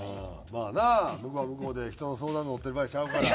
まあな向こうは向こうで人の相談乗ってる場合ちゃうから。